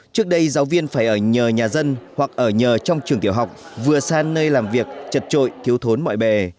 trước đây giáo viên phải ở nhờ nhà dân hoặc ở nhờ trong trường tiểu học vừa san nơi làm việc chật trội thiếu thốn mọi bề